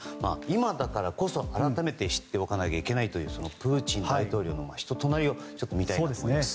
今だからこそ改めて知っておかなければいけないプーチン大統領の人となりを見たいと思います。